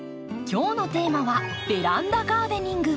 今日のテーマは「ベランダガーデニング」。